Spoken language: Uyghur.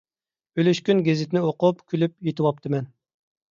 ئۈلۈشكۈن گېزىتنى ئوقۇپ كۈلۈپ يېتىۋاپتىمەن.